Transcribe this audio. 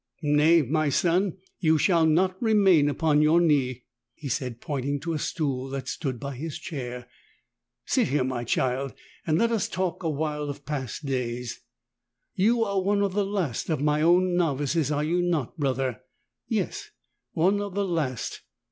"Nay, my son, you shall not remain upon your knees," he said, pointing to a stool that stood by his chair. "Sit here, my child, and let us talk for a while of past days. You are one of the last of my own novices, are you not. Brother ? Yes, one of the last.